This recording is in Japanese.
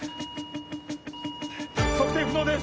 測定不能です